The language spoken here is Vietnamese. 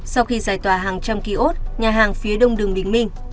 sau khi giải tòa hàng trăm ký ốt nhà hàng phía đông đường bình minh